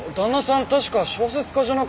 確か小説家じゃなかったかな？